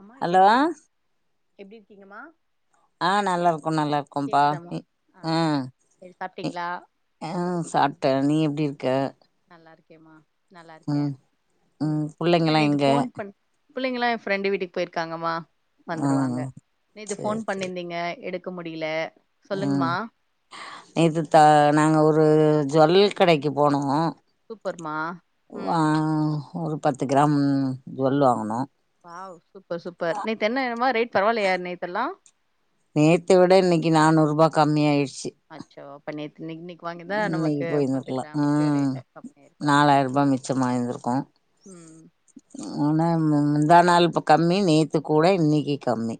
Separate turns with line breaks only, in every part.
அம்மா எப்டி
ஹலோ
இருக்கீங்க எப்டி இருக்கீங்கம்மா
ஆ நல்லாருக்கோ நல்லாருக்கோபா
கேக்குதாமா
இ
ஆ
அ
சரி
இ
சாப்ட்டீங்களா
ஆ சாப்ட்டே நீ எப்டி இருக்க
நல்லா இருக்கேமா நல்லா இருக்கே
ம்
ம் இல்ல
புள்ளைங்கல்லா
நேத்து
எங்க
போன் பண் புள்ளைங்களா என் ப்ரெண்டு வீட்டுக்கு போயிருக்காங்கம்மா
ஆ
வந்துருவாங்க நேத்து ஃபோன்
சேரி சேரி
பண்ணிந்தீங்க எடுக்க முடியல
ம்
சொல்லுங்மா
நேத்து த நாங்க ஒரு ஜூவுல்ளியல் கடைக்கு போனோ வாங்
சூப்பர்மா
ஆ
ம்
ஒரு பத்து கிராம் ஜுவுல் வாங்குனோ
வாவ் சூப்பர் சூப்பர் நேத்து என்னமா ரேட் பரவால்லயா நேத்தெல்லா
நேத்த விட இன்னிக்கி நானூரூபா கம்மிய ஆயிருச்சி
அச்சோ அப்ப நேத் நிக் நிக்கு வாங்கிதா
இன்னைக்கு
நமக்கு பத்து
போயிருந்துருக்கலா
கிராமுக்கு
ம்
ரேட்ட கம்மி ருக்கு
நாலாயிரூபா மிச்சமாயிருந்திருக்கு
ம்
ஆனா முந்தா நாள் இப்ப கம்மி நேத்து கூட இன்னிக்கி கம்மி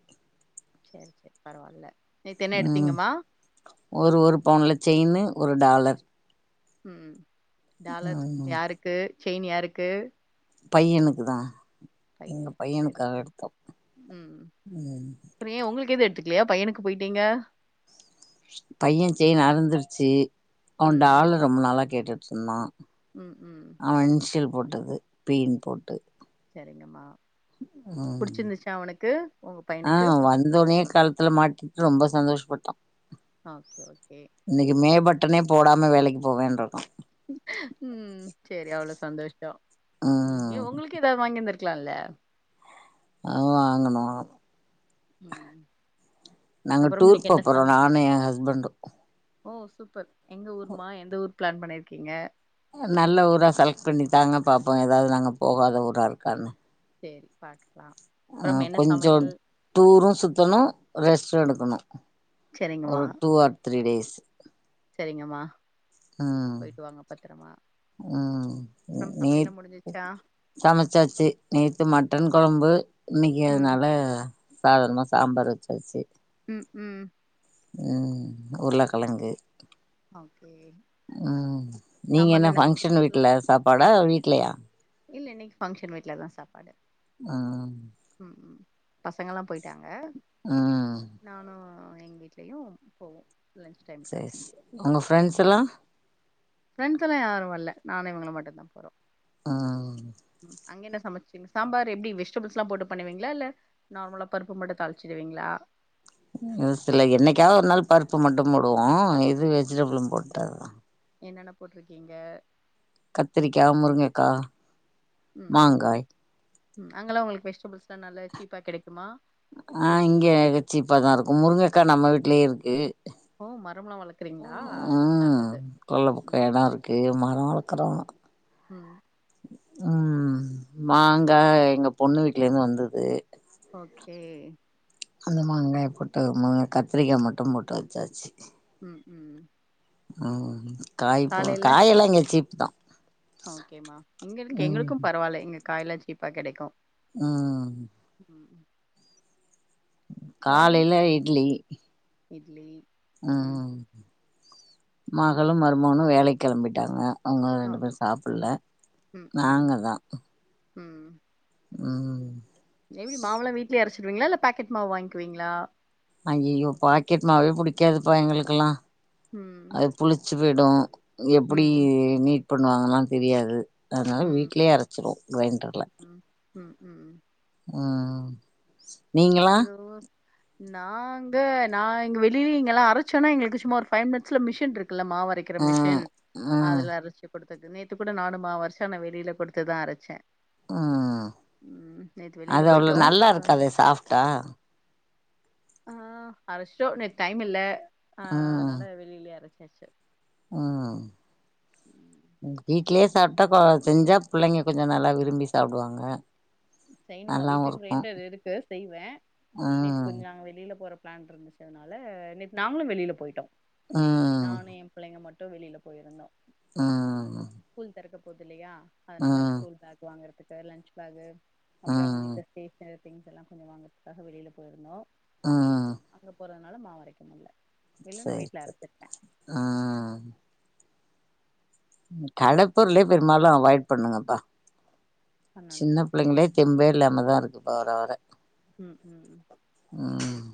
செரி செரி பரவால்ல நேத்தென்ன
ம்
எடுத்தீங்கம்மா
ஒரு ஒரு பவுன்ல செயின்னு ஒரு டாலர்
ம் டாலர்
ம்
யாருக்கு செயின் யாருக்கு
பையனுக்கு தா எங்க
பையனுக்கு சரி
பையனுக்காக
சரி
எடுத்தோ ம்
ஃப்ரி உங்ளுக்கு எது எடுத்துக்லையா பையனுக்கு போயிட்டீங்க
பையன் செய்ன் அறந்துருச்சு அவன்
ம்
டாலர் ரொம் நாளா கேட்டுட் இருந்தா
ம் ம்
அவன் இன்சியல் போட்டது பி னு போட்டு
சேரிங்கம்மா
ம்
உங்க
ஆ
பையனுக்கு புடிச்சிருந்துச்சா
வந்தோனே கழுத்துல மாட்டி ரொம்ப சந்தோஷப்பட்டா
ஓகே ஓகே
இன்னைக்கு மே பட்டனே போடாம வேலைக்கு போவேன்ருக்கா
ம் செரி அவ்ளோ சந்தோஷ ம் ஏ ஒங்களுக்கு ஏதாது வாங்கிருந்திரு க்கலால
அ வாங்குணோ
ம்
நாங்க
அப்புறம்
டூர்
இன்னைக்கு
போ
என்ன
போறோ
சம்
நானு எ ஹஸ்பண்டு
ஓ சூப்பர் எங்க ஊருமா எந்த ஊர் பிளான் பண்ணிருக்கீங்க
நல்ல ஊரா செலக்ட் பண்ணி தாங்க பாப்போ எதாவது நாங்க போவாத ஊரா இருக்கான்னு
செரி பாக்கலா
ஆ
அப்பறம் என்ன
கொஞ்சோ
சமையல்
டூரு சுத்தணு ரெஸ்ட்டு எடுக்கணு
சரிங்கம்மா
ஒரு டூ ஆர் த்ரீ டேஸ்
சேரிங்கம்மா
ம்
போயிட்டு வாங்க பத்தரமா
ம்
அப்பறம் சமையல்ல முடிஞ்சுருச்சா
சமைச்சாச்சி நேத்து மட்டன் கொழம்பு இன்னைக்கு
ம்
அதுனால சாதாரணம சாம்பார் வச்சாச்சு
ம் ம்
ம் உருளக்கெழங்கு
ஓகே
ம் நீங்க
சாம்பார்ல
என்ன பங்க்ஷன்
வெஜிடபிள்ஸ்லா
வீட்டுல சாப்பாடா வீட்லயா
இல்ல இன்னைக்கு ஃபங்க்ஷன் வீட்டு்லதா சாப்பாடு
ம்
ம் ம் பசங்கல்லா போயிட்டாங்க
ம்
நானு எங்க வீட்லயு போவோ லன்ச் டைமுக்கு
செரரி செ உங்க ஃரெண்ட்ஸ்ல்லா
ஃப்ரெண்ட்ஸ்ஸல்லா யாரு வரல நானு இவங்களு மட்டுதா போறோ
ம்
ம் அங்க என்ன சமைச்சிங்க சாம்பார் எப்டி வெஜிடபிள்ஸ்ல்லா போட்டு பண்ணுவீங்களா இல்ல நார்மலா பருப்பு மட்டு தாளிச்சிருவீங்களா
இ சில என்னைக்காவது ஒரு நாள் பருப்பு மட்டு போடுவோ இது வெஜிடபிளு போட்டது தா
என்னென்ன போட்ருக்கீங்க
கத்திரிக்கா முருங்கக்கா
ம்
மாங்காய்
ம் அங்கெல்லா உங்களுக்கு வெஜிடபிள்ஸ்ல்லா நல்லா சீப்பா கெடைக்குமா
ஆ
எப்டி
இங்க சீப்பாதா இருக்கு முருங்கக்கா நம்ம வீட்லே இருக்கு
ஓ மரம்லா வளக்குறீங்களா நல்லது ம்
கே மர வளக்குறோ
ம்
ம் மாங்க எங்க பொண்ணு வீட்டுலேந்து வந்துது
ஓகே
அந்த மாங்காய போட்டு கத்திரிக்காய் மட்டு போட்டு வச்சாச்சு
ம் ம்
ம் காய் காயெல்லா இங்க சீப்தா
ஓகேம்மா எங்களுக் எங்களுக்கும் பரவால்ல இங்க காய்ல்லா சீப்பா கெடைக்கு
ம் ம்
[unintelligible] மார்னிங்
காலைல இட்லி
இட்லி
ம் மகளு மருமவனு வேலைக் கெளம்பிட்டாங்க அவுங்க
அ
ரெண்டு பேர் சாப்புல்ல
ம் ம்
நாங்க தா
ம்
ம்
எப்டி மாவுல்லா வீட்லே அரச்சிருவிங்களா இல்ல பேக்கட் மாவு வாங்குவீங்களா
ஐய்யயோ பாக்கெட் மாவே புடிக்காதுப்பா எங்களுக்கெல்லா
ம்
அது புளிச்சு போய்டு எப்டி
ம்
மேக் பண்ணுவாங்கலா தெரியாது அதனால
ம்
வீட்லே அரச்சிருவோ கிரைண்டர்ல
ம் ம் ம்
ம் நீங்களா
எங்க ஊர் நாங்க நா இங்க வெளிய இங்கெல்லா அரைச்சோனா எங்களுக்கு சும்மா ஒரு ஃபைவ் மினிட்ஸ்ல மிஷின் இருக்குல்ல மாவு அரைக் அரைக்கிற
ஆ
மிஷின்
ஆ
அதுல அரைச்சு குடுத்தது நேத்து கூட நானு மாவரைச்ச அன வெளியில கொடுத்துதா அரைச்ச
ம்
ம் நேத்து வெளில
அது அவ்ளோ
போயிட்டோ
நல்லா
சோன
இருக்காதே சாஃப்ட்டா
ஆ அரஷ்ஷோ நேத்து டைம் இல்ல ஆஹ்
ம்
அதனால வெளிலே அரைச்சாச்சு
ம் உங் வீட் ட்லே சாப்ட்டா செஞ்சா புள்ளைங்க கொஞ்ச நல்லா விரும்பி சாப்டுவாங்க
செய்யணுமா
நல்லாவு
வீட்லியு
இருக்கு
கிரைண்டர் இருக்கு செய்வ நேத்து
ம்
கொஞ்ச நாங்க வெளில போற பிளான் இருந்துச் அதனால நேத்து நாங்களு வெளில போய்ட்டோ
ம்
நானு எ பிள்ளைங்க மட்டு வெளியில போயிருந்தோ
ஆ
ஸ்கூல் தெறக்க போது இல்லையா அதனால ஸ்கூல் பேக் வாங்குறதுக்கு லன்ச் பேக்கு அப்பறோ அவங்க
ம்
இந்த ஸ்டேஷனரி திங்ஸ் எல்லா கொஞ்சோ வாங்கறதுக்காக வெளில போயிருந்தோ
ம்
அங்க போறதுனால மாவு அரைக்க முல்ல
சேரி சேரி அ கடப் பொருளே பெரும்பாலு அவாய்ட் பண்ணுங்கப்பா சின்ன
பண்ணணுமா
பிள்ளைங்ளே தெம்பே இல்லாமதா இருக்கு வர வர
ம் ம் ம்
ம்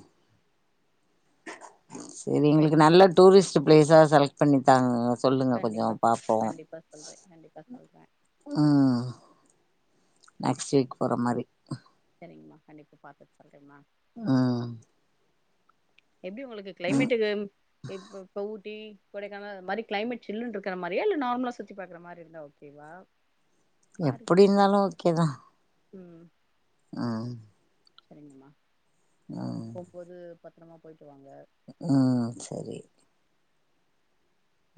சரி எங்களுக்கு நல்ல டூரிஸ்ட் பிளேஸா செலக்ட் பண்ணி தாங்க சொல்லுங்க கொஞ்சோ
கண்டிப்பா சொல்
பாப்போ
கண்டிப்பா சொல்றே கண்டிப்பா சொல்றே
ம் நெக்ஸ்ட் வீக் போற மாரி
சரிங்ம்மா கண்டிப்பா பாத்துட் சொல்றேங்ம்மா
ம்
எப்டி உங்களுக்கு
ம்
கிளைமேட்டு இப் இப் ஊட்டி கொடைக்கானல் அது மாரி கிளைமேட் சில்னு இருக்ற மாரியா இல்ல நார்மா சுத்தி பாக்ற மாரி இருந்தா ஓகேவா பாரு
எப்டி நாலு ஓகேதா
ம்
அ
சரிங்ம்மா
ம்
போகுபோது பத்தரமா பொய்ட்டு வாங்க
ஆ சேரி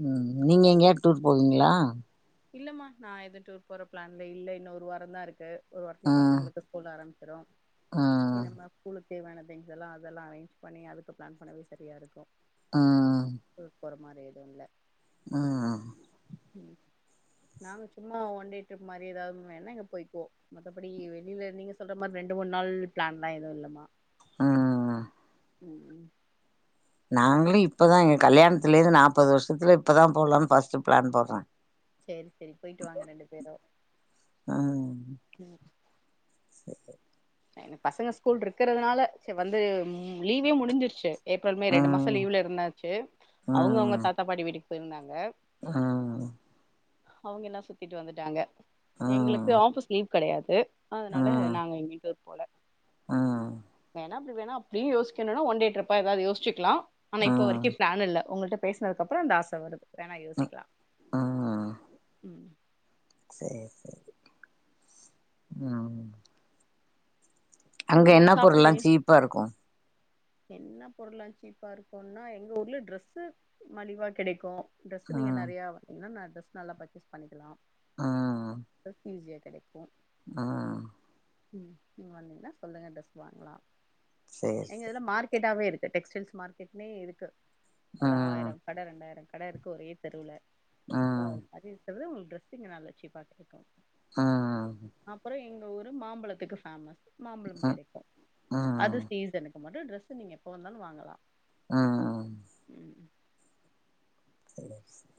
ம் நீங்க எங்கேயாது டூர் போவீங்ளா
இல்லம்மா நா எது டூர் போற பிளான்ல இல்ல இன்னொ ஒரு வாரோதா இருக்கு ஒரு வாரத்ல
ம்
பசங்களுக்கு ஸ்கூல் ஆரம்பிச்சிடு
ம்
இனிமே ஸ்கூலுக்கு தேவையான திங்ஸ் எல்லா அதெல்லா அரேஞ்ச் பண்ணி அதுக்கு பிளான் பண்ணவே சரியா
ம்
இருக்கு மாற எது இல்ல
ஆ
ம் நாங்க சும்மா ஒன்டே ட்ரிப் மாரி ஏதாவ்து வேணுா ஊங்க பொய்க்குவோ மத்தபடி வெளியில நீங்க சொல்ற மாரி ரெண்டு மூணு நாள் பிளான்லா எதுவு இல்லமா
அ அ அ
ம் ம்
நாங்ளு இப்போதா எங்க கல்யாணத்துலயிருந்து நாற்பது வருஷத்துல இப்போதா போலான்னு பஸ்ட்டு பிளான் போட்றே
சேரி சேரி போய்ட்டு வாங்க ரெண்டு பேரு
அ
ம் என்க்கு பசங்க ஸ்கூல் இருக்குறதுனால சே வந்து லீவே முடிஞ்சிருச்சு ஏப்ரல் மே
ஆ
ரெண்டு மாசோ லீவ்ல இருந்தாச்சு
ஆ
அவுங்க அவுங்க தாத்தா பாட்டி வீட்டுக்கு பொயிருந்தாங்க
அ
அவங்கெல்லா சுத்திட்டு வந்துட்டாங்க
ஆ
எங்ளுக்கு ஆபீஸ் லீவ் கெடையாது அதனால நாங்க எங்கயு டூர் போல
ம்
வேணா அப்டி வேணுணா அப்டியு யோசிக்கணுனா ஒன் டே ட்ரிப் ஆ ஏதாது யோசிச்சிக்லா ஆனா
ஆ
இப்ப வரைக்கு பிளான் இல்ல உங்கள்ட பேசுனதுக்கு அப்றோ அந்த ஆச வருது வேணா யோசிக்லா
ஆ
ம்
சேரி சேரி ம் அங்க
திரும்ப
என்ன
இன்னு
பொருள்ல்ல
சாப்பிடலையே
சீப்பா இருக்கு
என்ன பொருள்லா சீப்பா இருக்குனா எங்க ஊர்ல ட்ரெஸ்சு மலிவா கெடைக்கு ட்ரெஸ்சு
ஆ
நீங்க நெறையா [inaudible] னா நா ட்ரெஸ் நல்லா பர்ச்சேஸ் பண்ணிக்கலா
ஆ
ட்ரெஸ் ஈஸியா கெடைக்கு போ
ஆ
ம் நீங்க வந்தீங்னா சொல்லுங்க ட்ரெஸ் வாங்கலா
சேரி சேரி
மார்கெட்டாவே இருக்கு டெக்ஸ்டைல்ஸ் மார்க்கெட்னே இருக்கு
ஆ
ஒரு ஆயிரோ கட ரெண்டாயிரோ கட இருக்கு ஒரே தெருல
ஆ
சோ அது மாரி இருக்கறது உங்களுக்கு ட்ரெஸ் இங்க நல்ல சிப்பா கெடைக்கு
அ ஆ
அப்றோ எங்க ஊரு மாம்பழத்துக்கு பேமஸ் மாம்பழம்
ஆ
கெடைக்கு
ஆ
அது சீசனுக்கு அது மாரி டிரெஸ்சு நீங்க எப்ப வந்தாலு வாங்கலா
ம்
ம்
ச [unintelligible]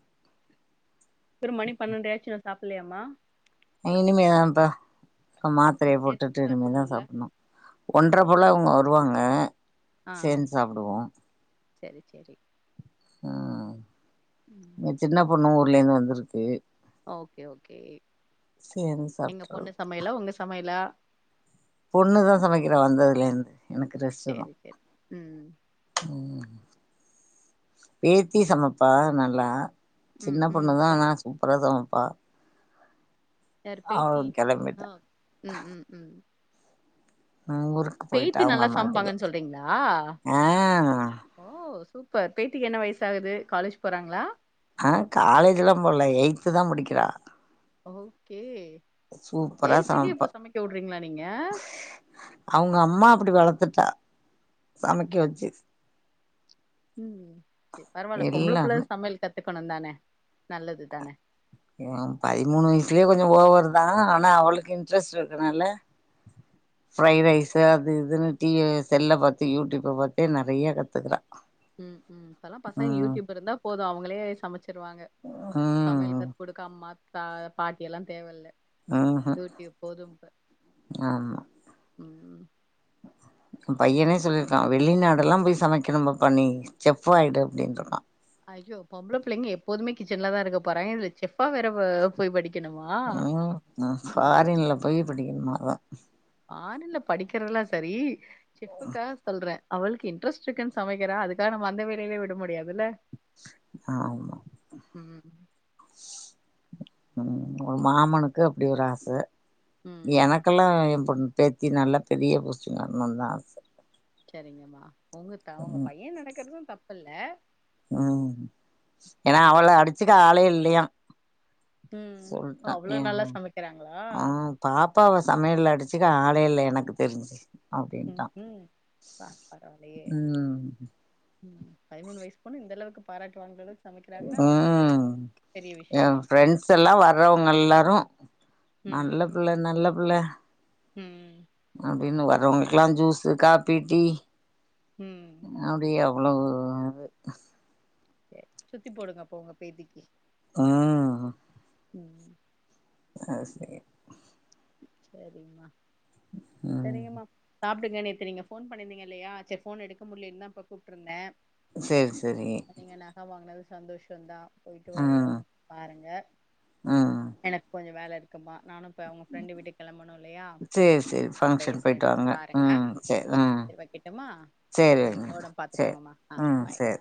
அப்றோ மணி பன்னெண்டை ஆயிருச்சு இன்னு சாப்பலையாமா
இனிமேதான்பா மாத்ரய போட்டுட்டு இனிமேதா
சாப்பிடணும்ல
சாப்பணு ஒன்றப் போல அவுங்க வருவாங்க
ஆ ஆ
சேந்து சாப்டுவோ
செரி செரி
ம்
ம்
என் சின்ன பொண்ணு ஊர்லேந்து வந்துருக்கு
ஓகே ஓகே
சேர்ந்து
எங்க
சாப்ட்றது
பொண்ணு சமையலா உங்க சமையலா
பொண்ணுதா சமைக்கறா வந்ததுலிந்து எனக்கு ரெஸ்ட்டுதா
செரி செரி ம்
ம் பேத்தி சமப்பா நல்லா
ம்
சின்ன
ம்
பொண்ணுதா
பா
ஆனா சூப்பரா சமப்பா
யாரு பேத்தி
கெளம்பிட்டா
ஆ ம் ம் ம்
நா ஊருக்கு போயிட்டா
பேத்தி
அவங்க
நல்லா
அம்மாட்டுக்கு
சமப்பாங்கன்னு சொல்றீங்ளா
ஆ
ஓ சூப்பர் பேத்திக்கு என்ன வயசாகுது காலேஜ் போறாங்ளா
ஆ காலேஜெல்லா போல எயித்துதான் படிக்கறா
ஓகே
சூப்பரா
எயிட்த்துக்கே இப்போ
சமைப்பா
சமைக்க வூடுறீங்ளா நீங்க
அவுங்க அம்மா அப்படி வளத்துட்டா சமைக்க வெச்சு
ம் சேரி பரவால்ல பொம்பள புள்ள
எல்லாமே
சமையல் கத்துக்கணுந்தான நல்லதுதான
ம்‌ பதிமூணு வயசுலயே கொஞ்சோ ஓவர்தான் ஆனா அவளுக்கு இன்ட்ரெஸ்ட் இருக்கனால ஃப்ரைட் ரைஸு அது இதுன்னு டி செல்ல பாத்து யூடியூப்ப பார்தே நெறையா கத்துக்கிறா
ம் ம் இப்பல்லா பசங்க யூடியூப் இருந்தா போது அவுங்களே சமைச்சிருவாங்க
ம்
சமையல் கத்து குடுக்க அம்மாத்தா பாட்டி எல்லா தேவயில்ல
ம்ஹூ
யூடியூப் போதும் இப்ப‌
ஆமா
ம்
என் பையனே சொல்லிருக்கான் வெளிநாடெல்லாம் போய் சமைக்கணும்பாப்பா நீ செஃப் ஆயிடு அப்டின்ட்டுருக்கான்
அய்யோ பொம்பள புள்ளைங்க எப்போதுமே கிச்சன்லதா இருக்க போறாங்க இதுல செஃபா வேற போய் படிக்கணுமா ம்
பொய் படிக்கணுமாவா
ஆன்லைன்ல படிக்கிறதுல்லா சரி சிப்புக்காக சொல்றே அவளுக்கு இன்ட்ரெஸ்ட்ருக்குன் சமைக்கிறா அதுக்காக நம்ம அந்த வேலைலே விட முடியாதுல்ல
ஆமா
ம்
ம் உ மாமனுக்கு அப்டி ஒரு ஆச
ம்
எனக்கெல்லா எம்பொண் பேத்தி நல்லா பெரிய போஸ்டிங் வர்ணுந்தா ஆச
செரிங்கம்மா உங்க த உங்க
ம்
பைய நெனைக்கற்து தப்பில்ல
ம் ஏனா அவள அடிச்சுக்க ஆளே இல்லியா
ம் ஓ!
சொல்ட்டா
அவ்ளோ
ஏ
நல்லா சமைக்கிறாங்களா
மவ பாப்பாவ சமையல்ல அடிச்சுக்க ஆளே இல்ல எனக்கு தெரிஞ்சி அப்டின்ட்டா
ம் ம் பா பரவாயில்லையே
ம்
ம் பதிமூண் வய்ஸ் பொண்ணு இந்தளவுக்கு பாராட்டு வாங்கறளவுக்
ம் எ
விஷயந்தா
ஃப்ரெண்ட்ஸ் எல்லா வர்றவுங்க எல்லாரு நல்ல
ம்
பிள்ள நல்ல பிள்ள
ம்
அப்டினு வர்றவுங்களுக்குலா ஜூஸு, காப்பீ, டீ
ம்
அப்டியே அவ்ளவு
சேர் சுத்தி போடுங்க அப்ப உங்க பேத்திக்கு
ம்
ம்
அது சேரி
செரிம்மா
ம்
செரிங்கம்மா சாப்டுங்க நேத்து நீங்க ஃபோன் பண்ணீர்ந்தீங்க இல்லயா சேர் ஃபோன் எடுக்க முடிலீன் தா இப்ப கூப்ட்ருந்தே
சேர் செரி
நீங்க நக வாங்னது சந்தோஷந்தா போய்ட்டு
ம்
பாருங்க
ம்
எனக் கொஞ்ச வேல இருக்குமா நானு இப்ப அவுங் ஃப்ரெண்டு வீட்டுக் கெளம்பணு இல்லயா
சேரி சரி
நா
ஃபங்க்ஷன் போயிட்டு
பேசறேமா
வாங்க
பாருங்க
ம் சரி ம்
சேர் வைக்கட்டுமா
சேரி
ம்
வைங்க
ஒடம்
சேரி
பாத்துக்கோங்கம்மா ஆ
ம்
பாய்
சேரி